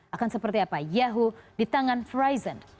akan seperti apa yahoo di tangan fraizon